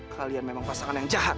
kalian memang pasangan yang jahat